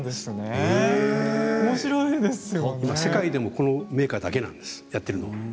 世界でもこのメーカーだけなんです、やっているの。